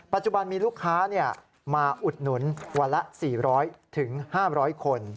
ปัจจุบันมีลูกค้ามาอุดหนุนวันละ๔๐๐๕๐๐คน